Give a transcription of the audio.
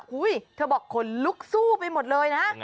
เธอบอกขนลุกสู้ไปหมดเลยนะ